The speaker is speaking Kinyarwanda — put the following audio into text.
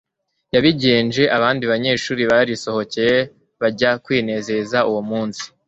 yabigenje, abandi banyeshuri barisohokeye bajya kwinezeza. uwo munsi